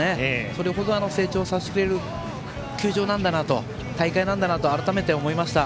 それほど成長させてくれる球場大会なんだなと改めて思いました。